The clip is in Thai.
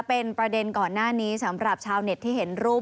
เป็นประเด็นก่อนหน้านี้สำหรับชาวเน็ตที่เห็นรูป